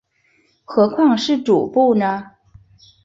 何况是主簿呢？